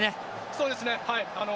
そうですね。